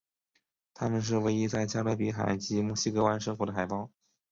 它们是唯一在加勒比海及墨西哥湾生活的海豹。